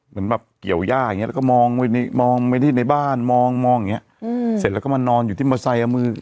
มันแบบเกี่ยวยากอย่างเงี้ยแล้วก็มองไปในบ้านมองเสร็จแล้วก็มานอนอยู่ที่มอเตอร์ไซค์เอามือ